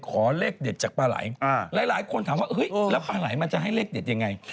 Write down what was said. ขอเลขเด็ดจากปลาไหลหลายคนถามว่าเฮ้ยแล้วปลาไหลมันจะให้เลขเด็ดยังไง